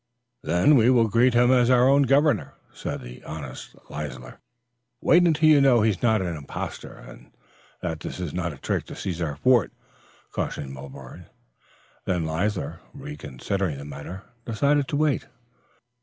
"Then we will greet him as our governor," said the honest Leisler. "Wait until you know he is not an impostor, and that this is not a trick to seize our fort," cautioned Milborne. Then Leisler, reconsidering the matter, decided to wait.